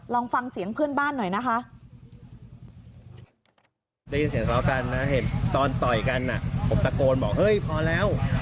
ลองฟังเสียงเพื่อนบ้านหน่อยนะคะ